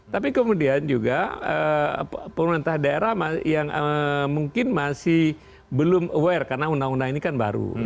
tapi kemudian juga pemerintah daerah yang mungkin masih belum aware karena undang undang ini kan baru